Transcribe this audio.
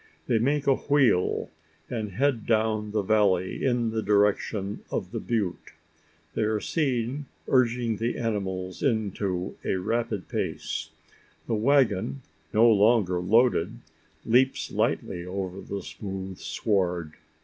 They make a wheel, and head down the valley in the direction of the butte. They are seen urging the animals into a rapid pace. The waggon, no longer loaded, leaps lightly over the smooth sward.